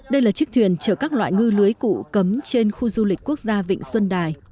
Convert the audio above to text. đây là chiếc thuyền chở các loại ngư lưới cụ cấm trên khu du lịch quốc gia vịnh xuân đài